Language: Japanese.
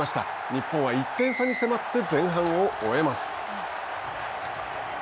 日本は１点差に迫って前半を終えます。